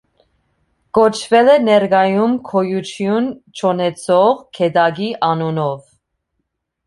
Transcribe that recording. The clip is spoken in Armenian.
Կոչվել է ներկայում գոյություն չունեցող գետակի անունով։